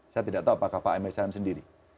saya tidak tahu apakah pak emil salim sendiri